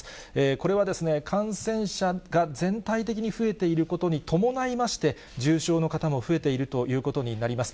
これは感染者が全体的に増えていることに伴いまして、重症の方も増えているということになります。